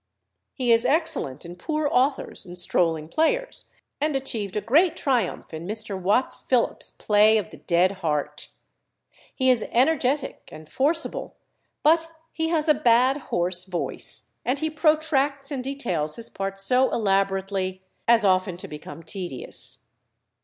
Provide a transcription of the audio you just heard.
He is excellent in poor authors and strolling players, and achieved a great triumph in Mr. Watts Philips's play of "The Dead Heart." He is energetic and forcible, but he has a bad hoarse voice, and he protracts and details his part so elaborately as often to become tedious.